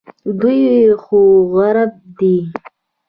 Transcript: دوی خو عرب دي.